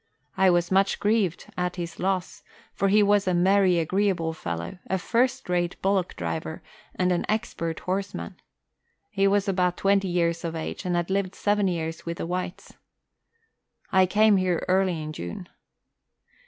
I was much grieved at his loss, for he was a merry, agreeable fellow, a first rate bullock driver, and an expert horseman. He was about twenty years of age, and had lived seven years with the whites. I came here early in June.